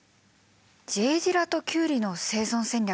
Ｊ・ディラとキュウリの生存戦略